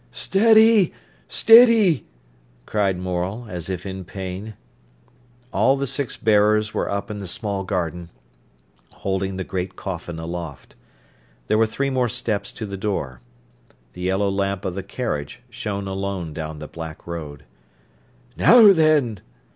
"Steady, steady!" cried Morel, as if in pain. All the six bearers were up in the small garden, holding the great coffin aloft. There were three more steps to the door. The yellow lamp of the carriage shone alone down the black road. "Now then!"